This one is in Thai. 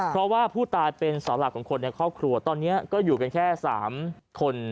เพราะว่าผู้ตายเป็นเสาหลักของคนในครอบครัวตอนนี้ก็อยู่กันแค่๓คน